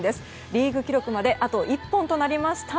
リーグ記録まであと１本となりました。